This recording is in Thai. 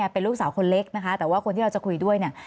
เป็นลูกสาวคนเล็กแต่ว่าคนที่เราจะคุยด้วย